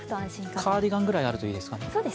カーディガンぐらいあるといいですか。